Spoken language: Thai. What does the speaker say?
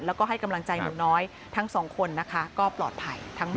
แล้วก็ให้กำลังใจหนูน้อยทั้งสองคนนะคะก็ปลอดภัย